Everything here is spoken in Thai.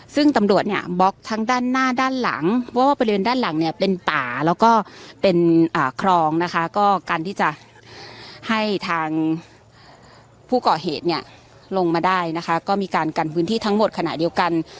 ซึ่งตำรวจเนี่ยบล็อกทั้งด้านหน้าด้านหลังว่าบริเวณด้านหลังเนี่ยเป็นป่าแล้วก็เป็นคลองนะคะก็กันที่จะให้ทางผู้เกาะเหตุเนี่ยลงมาได้นะคะก็มีการกันพื้นที่ทั้งหมดขณะเดียวกัน